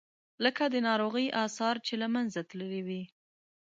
لکه د ناروغۍ آثار چې له منځه تللي وي.